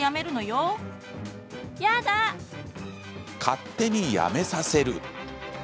勝手にやめさせる。